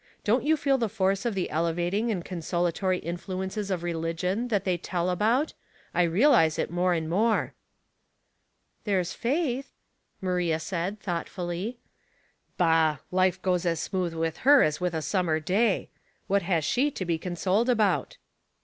Don't you feel the force of the elevating and consolatory influences of religion that they tell about? I realize it more and more." *' There's Faith," Maria said, thoughtfully. '' Bah ! life goes as smooth with her as a summer day. What has she to be consoled about?"